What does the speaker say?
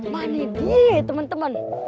mana dia temen temen